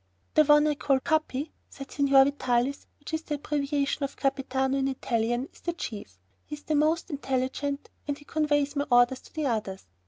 "The one I call 'Capi,'" said Signor Vitalis, "which is an abbreviation of Capitano in Italian, is the chief. He is the most intelligent and he conveys my orders to the others.